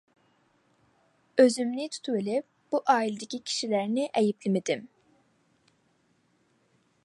ئۆزۈمنى تۇتۇۋېلىپ بۇ ئائىلىدىكى كىشىلەرنى ئەيىبلىمىدىم.